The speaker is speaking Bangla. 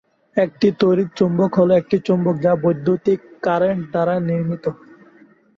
একটি তড়িৎ চৌম্বক হল একটি চৌম্বক যা বৈদ্যুতিক কারেন্ট দ্বারা নির্মিত।